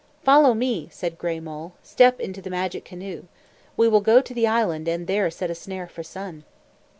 "Follow me," said Gray Mole. "Step into the magic canoe. We will go to the island and there set a snare for Sun."